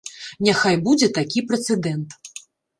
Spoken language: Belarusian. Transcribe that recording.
Няхай будзе такі прэцэдэнт.